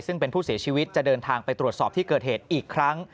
ซึ่งเป็นผู้เสียชีวิตจะเดินทางไปตรวจสอบที่เกิดเหตุอีกครั้ง